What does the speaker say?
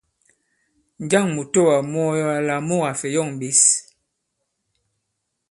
Njâŋ mùtoà mu ɔ yɔ àlà mu ka-fè yɔ̀ŋ ɓěs?